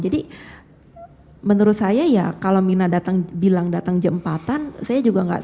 jadi menurut saya ya kalau mirna bilang datang jam empat saya juga gak ingin datang